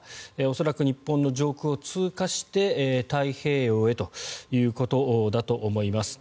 恐らく日本の上空を通過して太平洋へということだと思います。